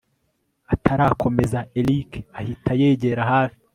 atarakomeza erick ahita yegera hafi